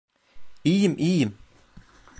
İyiyim, iyiyim.